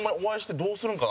「どうするんかな」